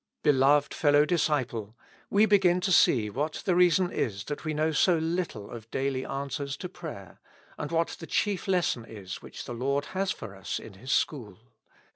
Beloved fellow disciple ! we begin to see what the reason is that we know so little of daily answers to prayer, and what the chief lesson is which the Lord has for us in His school.